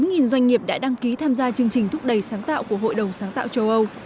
gần doanh nghiệp đã đăng ký tham gia chương trình thúc đẩy sáng tạo của hội đồng sáng tạo châu âu